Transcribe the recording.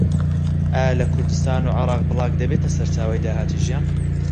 ئایا لە کوردستان و عێراق بڵاگ دەبێتە سەرچاوەی داهاتی ژیان؟